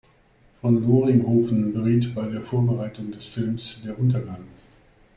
Von Loringhoven beriet bei der Vorbereitung des Films "Der Untergang".